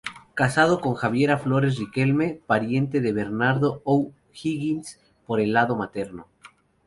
Casado con Javiera Flores Riquelme, pariente de Bernardo O'Higgins, por el lado materno.